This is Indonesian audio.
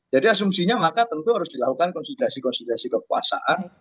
jadi asumsinya maka tentu harus dilakukan konsolidasi konsolidasi kekuasaan